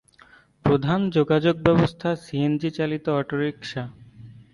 প্রধান যোগাযোগ ব্যবস্থা সিএনজি চালিত অটোরিক্সা।